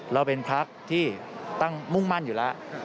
เราเป็นพักที่ตั้งมุ่งมั่นอยู่แล้ว